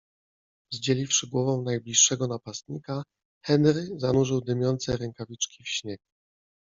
Zdzieliwszy głową najbliższego napastnika, Henry zanurzył dymiące rękawiczki w śnieg